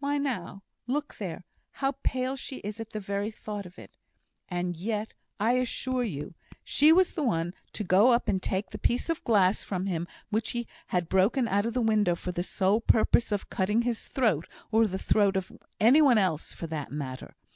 "Why now, look there! how pale she is at the very thought of it. And yet, I assure you, she was the one to go up and take the piece of glass from him which he had broken out of the window for the sole purpose of cutting his throat, or the throat of any one else, for that matter.